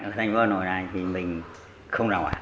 mình ở hà nội này thì mình không ra ngoài